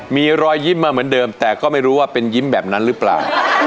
มีรอยยิ้มมาเหมือนเดิมแต่ก็ไม่รู้ว่าเป็นยิ้มแบบนั้นหรือเปล่า